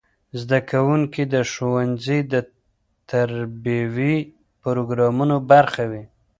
زدهکوونکي د ښوونځي د تربیوي پروګرامونو برخه وي.